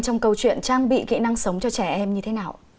trong câu chuyện trang bị kỹ năng sống cho trẻ em như thế nào